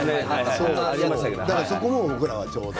そこを僕らは、ちょうど。